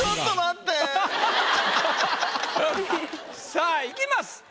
さあいきます。